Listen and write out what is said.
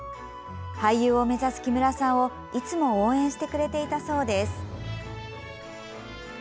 俳優を目指す木村さんを、いつも応援してくれていたそうです。